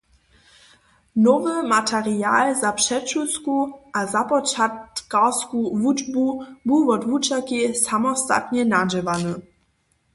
Nowy material za předšulsku a započatkarsku wučbu bu wot wučerki samostatnje nadźěłany.